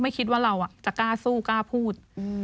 คิดว่าเราจะกล้าสู้กล้าพูด